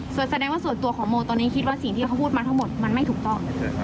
ส่วนแสดงว่าส่วนตัวของโมตอนนี้คิดว่าสิ่งที่เขาพูดมาทั้งหมดมันไม่ถูกต้อง